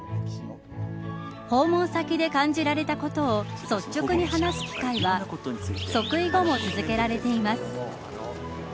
訪問先で感じられたことを率直に話す機会は即位後も続けられています。